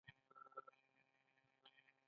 ملتونو جوړول پخوا ګناه وه.